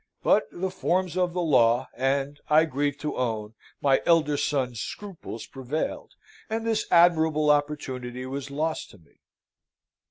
But the forms of the law, and, I grieve to own, my elder son's scruples, prevailed, and this admirable opportunity was lost to me!